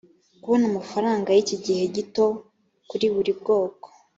kubona amafaranga cy igihe gito kuri buri bwoko